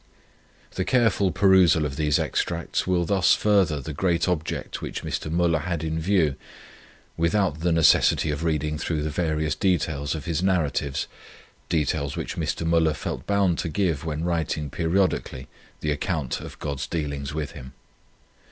The careful perusal of these extracts will thus further the great object which Mr. Müller had in view, without the necessity of reading through the various details of his "Narratives," details which Mr. Müller felt bound to give when writing periodically the account of God's dealings with him.